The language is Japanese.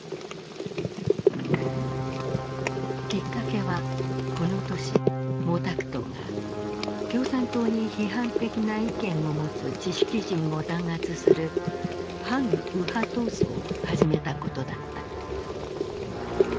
きっかけはこの年毛沢東が共産党に批判的な意見を持つ知識人を弾圧する「反右派闘争」を始めたことだった。